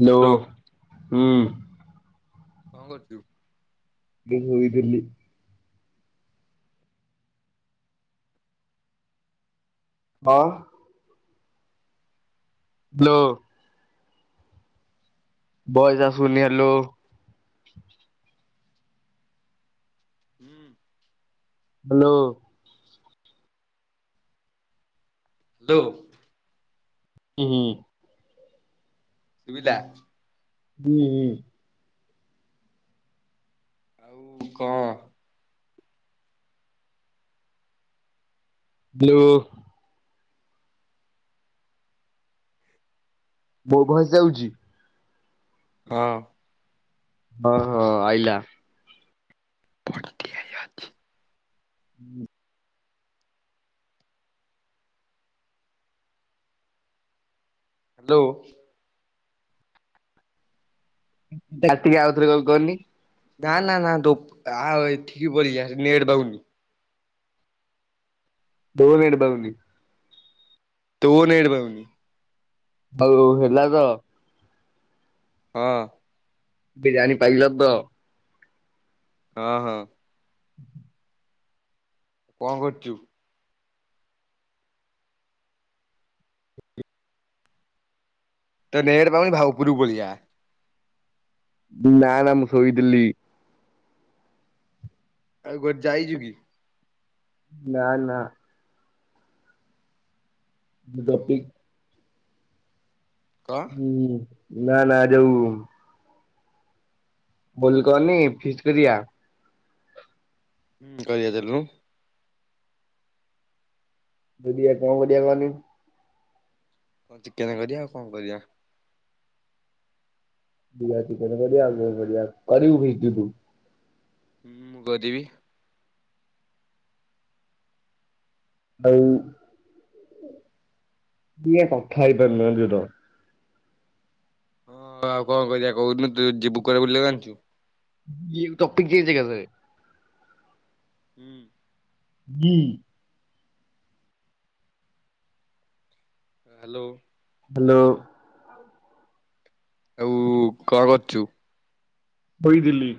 Hello ହୁଁ। କଣ କରୁଛୁ? [unintelligible] ହଁ। ବ୍ଲୋ [unintelligible] ହୁଁ। ହ୍ୟାଲୋ। ହ୍ୟାଲୋ। ଉ ହୁଁ। ସୁବିଲା? ହୁଁ ହୁଁ। ଆଉ କଣ? ବ୍ଲୁ। ବୋ ଭଏସ୍ ଯାଉଚି? ହଁ। ହଁ ହଁ ଆଇଲା। ପଠ୍ ଦିଆଇଅଛି। ହୁଁ। ହ୍ୟାଲୋ। ଯା ଟିକେ ଆଉଥରେ ଗ-ଗନି। ନା ନା ନା, ଦୋକ ଆଉ ଏଠିକି ପରିଯା ନେଡ଼ ଦଉନି। ବଉନେଟ୍ ପାଉନି। ତୋ ନେଟ୍ ପାଉନି। ହଉହଉ ହେଲା ତ। ହଁ। ବିରିୟାନୀ ପାଇଲ ତ? ହଁ ହଁ। ହୁ [unintelligible] କଣ କରଚୁ? ତ ନେଟ୍ ପାଉନି, ଭାଉ ଉପୁରୁକୁ ପଳିଆ। ନା, ନା ମୁସୋଇ ଦିଲ୍ଲି। ଆଉ କୁଆଡ଼େ ଯାଇଛୁ କି? ନା, ନା। ମୁଁ ଆଉ ଦପିକ୍ କଣ ହୁଁ, ନା ନା ଯଉ-ଉ ଭୁଲ୍ କରନି! ଫିଷ୍ଟ କରିଆ। ହୁଁ କରିଆ ଚାଲନୁ। ଯଧିଆ କଣ କରିଆ କହନି? କଣ ଚିକେନ କରିବା ଆଉ କଣ କରିବା? ଗୁଆ ତୀକର ବଢିଆ। ବଢିଆ କରିହୁଇତିତୁ? ହୁଁ ମୁଁ କରିବି।। ହଉ। ବିଏ କଥା ହେଇପାରଲେନି ର ହଁ, ଆଉ କଣ କରିବା କହୁନୁ, ତୁ ଯିବୁ କୁଆ ବୁଲିଆକୁ ଜାଣିଛୁ? ଇଏ ଟପିକ୍ ଚେଞ୍ଜ କରିଦେବେ। ହୁଁ। ହୁଁ। ହ୍ୟାଲୋ! ହ୍ୟାଲୋ! ଆଉ କଣ କରୁଚୁ? ବଇ ଦିଲି।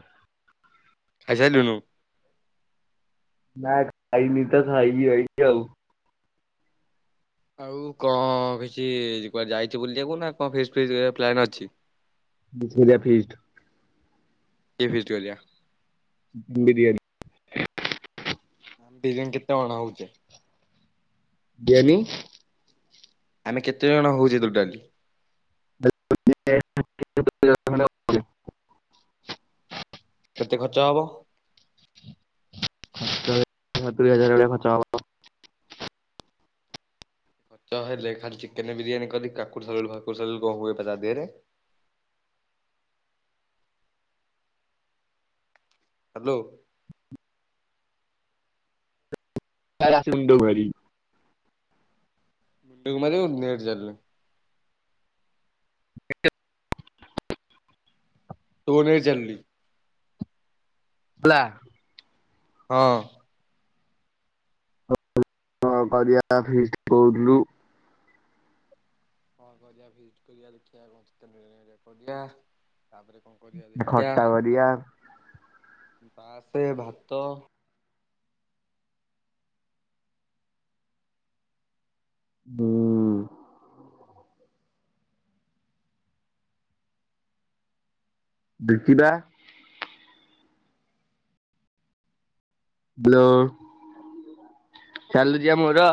ଖାଇସାଲୁନୁ? ନା ଖାଇ ନି ତ ଖାଇବି ଏଇଥି ଆଉ। ଆଉ କଣ କିଛି କୁଆଡେ ଯାଇଛି ବୁଲିବାକୁ ନା କଣ ଫିସ୍ ଫିସ୍ କରିବାକୁ ପ୍ଲାନ ଅଛି? [unintelligible] ଫିଷ୍ଟ କି ଫିଷ୍ଟ କରିବା? ବିରିୟାନୀ। ବିରିୟାନୀ କେତେ ଅଣା ହଉଛେ? [unintelligible] ଆମେ କେତେ ଜଣ ହଉଛେ ଟୋଟାଲି? [unintelligible] କେତେ ଖର୍ଚ୍ଚ ହବ? ଦୁଇ ହଜାର ଭଳିଆ ଖର୍ଚ୍ଚ ହେବ। ଖର୍ଚ୍ଚ ହେଲେ ଖାଲି ଚିକେନ ବିରିୟାନୀ କରି କାକୁଡି ସାଲାଡ଼ ଫାକୁଡ଼ି ସାଲାଡ଼ କଣ ହୁଏ ପା ତା ଦେହରେ। [inaudible] ହ୍ୟାଲୋ। [unintelligible] ମୁଣ୍ଡକୁ ମାରି [unintelligible] ଚାଲିଲେ। [unintelligible] ତୁ ନେଇ ଚାଲିଲି। ପ୍ଲା। ହଁ। କଣ କରିବା ଫିଷ୍ଟ କହୁଥିଲୁ? କଣ କରିବା ଫିଷ୍ଟ କରିବା ଦେଖିବା [unintelligible] କରିବା ଖଟା କରିବା। ପାସେ ଭାତ ହୁଁ। ବିକିବା। ବ୍ଲ ଚାଲୁଛିିବା ମୋର।